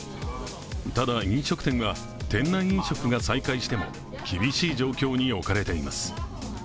ただ、飲食店が店内飲食を再開しても厳しい状況に置かれています。